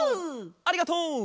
ありがとう！